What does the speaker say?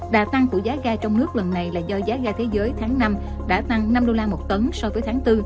đà tăng của giá ga trong nước lần này là do giá ga thế giới tháng năm đã tăng năm đô la một tấn so với tháng bốn